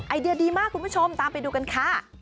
เดียดีมากคุณผู้ชมตามไปดูกันค่ะ